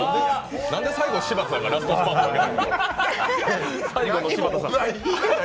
なんで最後、柴田さんがラストスパートかけてるの？